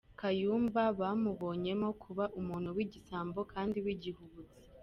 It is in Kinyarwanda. Kayumba bamubonyemo kuba umuntu w’igisambo kandi w’igihubutsi.